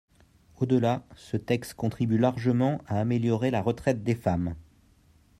Au-delà, ce texte contribue largement à améliorer la retraite des femmes.